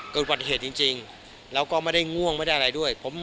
เกิดปัจเทศจริงแล้วก็ไม่ได้ง่วงไม่ได้อะไรด้วย